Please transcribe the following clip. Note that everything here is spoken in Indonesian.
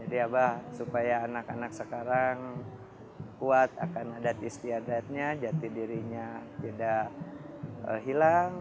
jadi abah supaya anak anak sekarang kuat akan adat istiadatnya jati dirinya tidak hilang